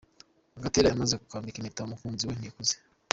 Gatera yamaze kwambika impeta umukunzi we, Nikuze.